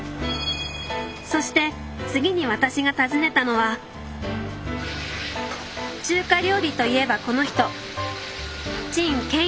そして次に私が訪ねたのは中華料理といえばこの人陳建一さん。